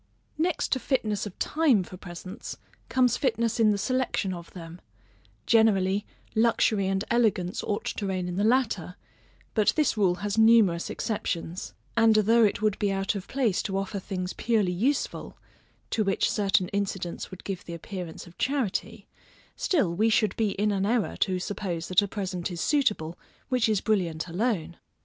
Next to fitness of time for presents, comes fitness in the selection of them; generally, luxury and elegance ought to reign in the latter; but this rule has numerous exceptions: and although it would be out of place to offer things purely useful (to which certain incidents would give the appearance of charity) still we should be in an error to suppose that a present is suitable, which is brilliant alone.